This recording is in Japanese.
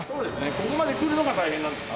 ここまでくるのが大変なんです。